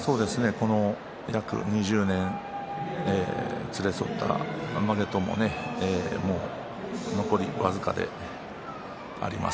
この２０年連れ添ったまげとも残り僅かです。